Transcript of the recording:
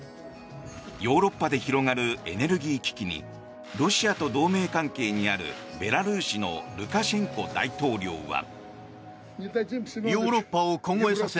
ヨーロッパで広がるエネルギー危機にロシアと同盟関係にあるベラルーシのルカシェンコ大統領は。